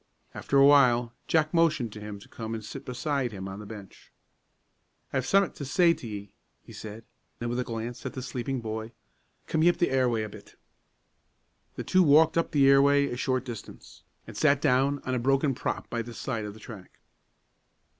After a while, Jack motioned to him to come and sit beside him on the bench. "I ha' summat to say to ye," he said. Then, with a glance at the sleeping boy, "Come ye up the airway a bit." The two walked up the airway a short distance, and sat down on a broken prop by the side of the track.